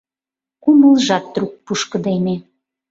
Кумылжат трук пушкыдеме.